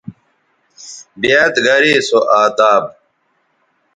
بیاد گرے سو اداب